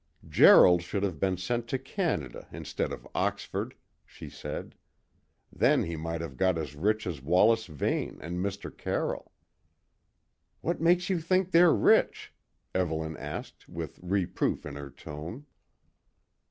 "Gerald should have been sent to Canada instead of Oxford," she said. "Then he might have got as rich as Wallace Vane and Mr. Carroll." "What makes you think they're rich?" Evelyn asked with reproof in her tone.